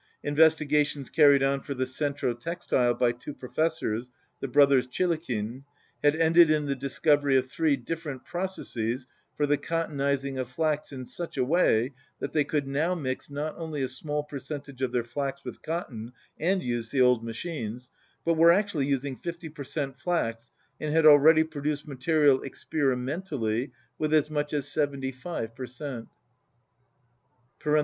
Investigations carried on for the Centro Textile by two professors, the brothers Chilikin, had ended in the discovery of fliree dif ferent processes for the cottonizing of flax in such a way that they could now mix not only a small percentage of their flax with cotton and use the old machines, but were actually using fifty per cent, flax and had already produced material ex perimentally with as much as seventy five per cent.